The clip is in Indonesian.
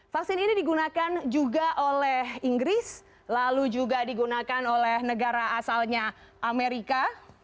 vaksin ini digunakan juga oleh inggris lalu juga digunakan oleh negara asalnya amerika